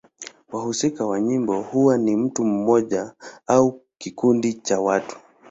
Wahusika wa nyimbo huwa ni mtu mmoja au kikundi cha watu.